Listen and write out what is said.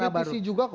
saya kritis juga kok